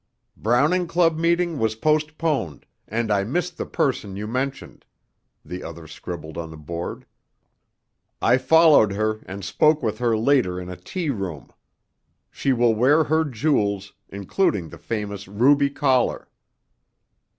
"Browning Club meeting was postponed, and I missed the person you mentioned," the other scribbled on the board. "I followed her, and spoke with her later in a tea room. She will wear her jewels, including the famous ruby collar."